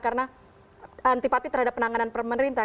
karena antipati terhadap penanganan pemerintah